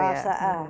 platform itu ya